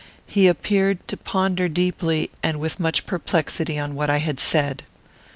He appeared to ponder deeply and with much perplexity on what I had said.